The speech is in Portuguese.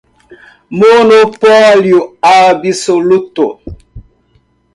Monopólio absoluto